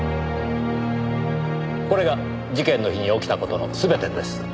これが事件の日に起きた事の全てです。